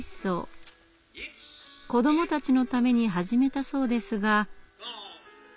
子どもたちのために始めたそうですが。